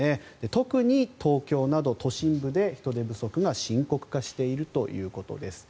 特に東京など都心部で人手不足が深刻化しているということです。